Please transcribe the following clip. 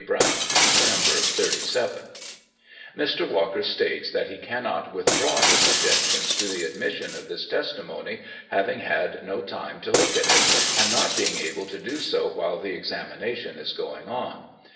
Browne, No. 37.] • [Mr. Walker stales that he cannot withdraw his ob jections to the admission of this testimony, having had no time to look at it, and not being able to do so while the examination is going on.